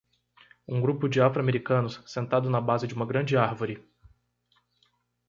Um grupo de afro-americanos sentado na base de uma grande árvore.